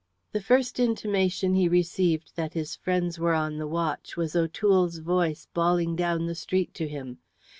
The first intimation he received that his friends were on the watch was O'Toole's voice bawling down the street to him.